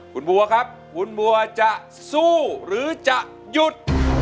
คุณบัวครับคุณบัวจะสู้หรือจะหยุด